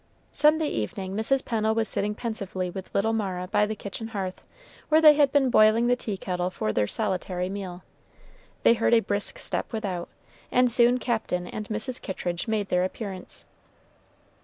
Sunday evening Mrs. Pennel was sitting pensively with little Mara by the kitchen hearth, where they had been boiling the tea kettle for their solitary meal. They heard a brisk step without, and soon Captain and Mrs. Kittridge made their appearance.